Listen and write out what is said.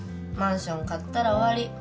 マンション買ったら終わり。